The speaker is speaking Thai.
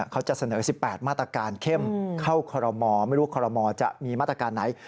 เขาจะเสนอ๑๘มาตรการเข้าขอรมอย